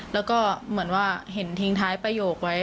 แล้วก็เหมือนว่าเห็นทิ้งท้ายประโยคไว้